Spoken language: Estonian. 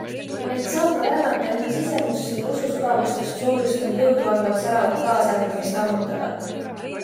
Ent saab ka rännata enda sisemusse ja ususügavustest soojust ning jõudu andvat säravat taasärkamist ammutada.